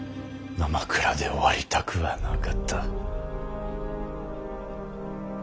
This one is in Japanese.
なまくらで終わりたくはなかった。